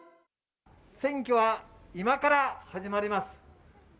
選挙は今から始まります！